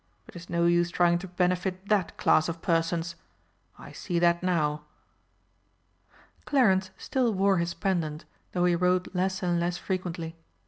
But it's no use trying to benefit that class of persons. I see that now." Clarence still wore his pendant, though he rode less and less frequently.